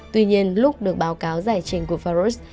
tuy nhiên lúc được báo cáo giải trình của faros